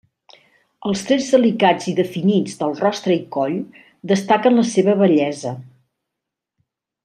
Els trets delicats i definits del rostre i coll destaquen la seva bellesa.